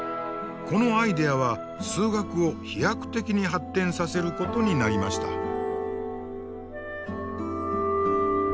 このアイデアは数学を飛躍的に発展させることになりました。